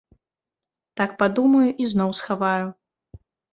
Так падумаю і зноў схаваю.